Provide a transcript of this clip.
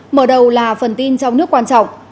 mở đầu là phần tin trong nước quan trọng